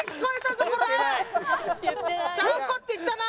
ちゃんこって言ったな？